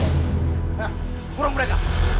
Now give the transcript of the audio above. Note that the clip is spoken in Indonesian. hah burung mereka